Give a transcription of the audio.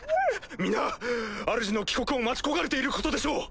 皆あるじの帰国を待ち焦がれていることでしょう！